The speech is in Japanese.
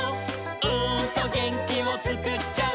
「うーんとげんきをつくっちゃう」